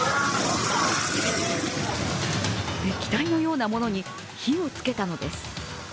液体のようなものに火をつけたのです。